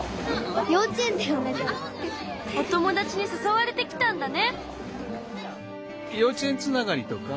お友達にさそわれて来たんだね。